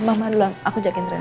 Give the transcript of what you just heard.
mama dulu aku jagain rena